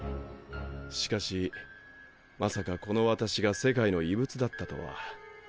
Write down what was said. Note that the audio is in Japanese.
しかしまさかこの私が世界の異物だったとは。